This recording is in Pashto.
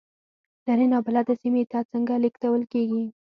لرې نابلده سیمې ته څنګه لېږل کېږم.